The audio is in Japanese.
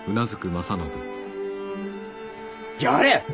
やれ！